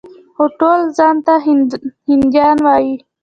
خو ټول ځان ته هندیان وايي.